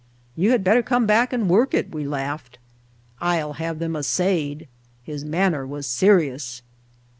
"You had better come back and work it," we laughed. "I'll have them assayed." His manner was serious.